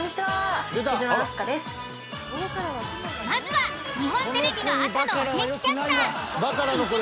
まずは日本テレビの朝の。